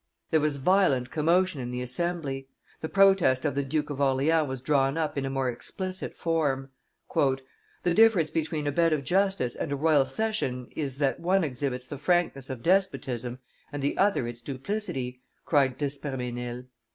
There was violent commotion in the assembly; the protest of the Duke of Orleans was drawn up in a more explicit form. "The difference between a bed of justice and a royal session is, that one exhibits the frankness of despotism and the other its duplicity," cried d'Espremesnil.